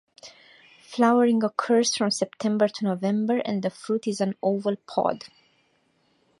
Flowering occurs from September to November and the fruit is an oval pod.